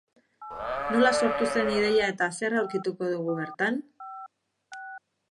Nola sortu zen ideia eta zer aurkituko dugu bertan?